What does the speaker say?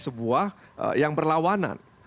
sebuah yang berlawanan